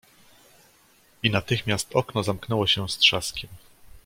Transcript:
"I natychmiast okno zamknęło się z trzaskiem."